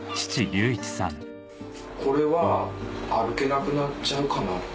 これは歩けなくなっちゃうかなって。